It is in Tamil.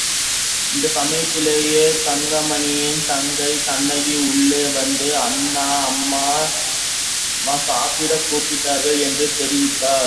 இந்தச் சமயத்திலே தங்கமணியின் தங்கை கண்ணகி உள்ளே வந்து, அண்ணா, அம்மா சாப்பிடக் கூப்பிடுகிறார்கள் என்று தெரிவித்தாள்.